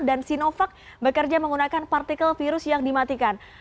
dan sinovac bekerja menggunakan partikel virus yang dimatikan